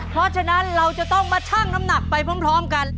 เพราะฉะนั้นเราจะต้องมาชั่งน้ำหนักไปพร้อมกัน